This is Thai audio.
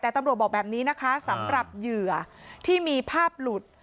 แต่ตำรวจบอกแบบนี้นะคะสำหรับเหยื่อที่มีภาพหลุด